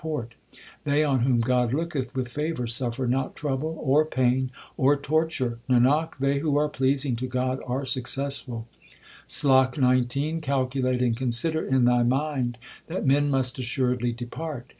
178 THE SIKH RELIGION They on whom God looketh with favour suffer not trouble, or pain, or torture ; 1 Nanak, they who are pleasing to God are successful. SLOK XIX Calculate and consider in thy mind that men must assuredly depart.